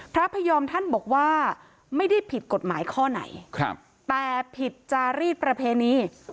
พระพยอมท่านบอกว่าไม่ได้ผิดกฎหมายข้อไหนแต่ผิดจารีสประเพณี